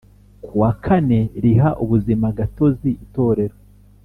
kuwa kane riha ubuzimagatozi Itorero